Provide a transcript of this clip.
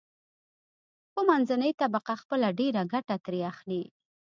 خو منځنۍ طبقه خپله ډېره ګټه ترې اخلي.